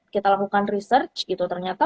kita lakukan research gitu ternyata